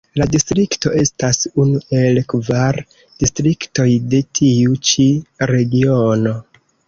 La distrikto estas unu el kvar distriktoj de tiu ĉi Regiono.